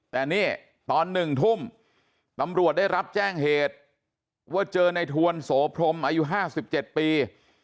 แต่นี่ตอน๑ทุ่มตำรวจได้รับแจ้งเหตุว่าเจอในทวนโสพรมอายุ๕๗ปี